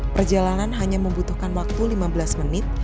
perjalanan hanya membutuhkan waktu lima belas menit